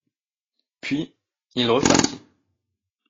Puis, il repartit.